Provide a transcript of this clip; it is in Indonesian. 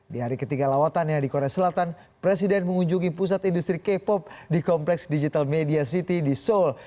di hari ketiga lawatannya di korea selatan presiden mengunjungi pusat industri k pop di kompleks digital media city di seoul